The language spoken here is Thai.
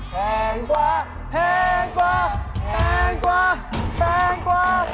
แพงกว่าแพงกว่าแพงกว่าแพงกว่า